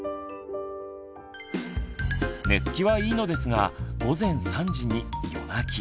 寝つきはいいのですが午前３時に夜泣き。